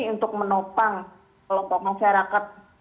untuk menopang kelompok masyarakat